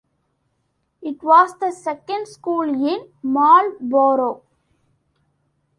It was the second school in Marlborough.